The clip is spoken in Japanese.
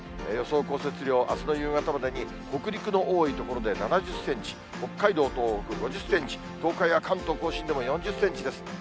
予想降雪量、あすの夕方までに、北陸の多い所で７０センチ、北海道、東北、５０センチ、東海や関東甲信でも４０センチです。